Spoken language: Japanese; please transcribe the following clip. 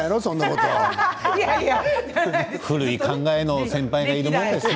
古い考えの先輩がいるんですね。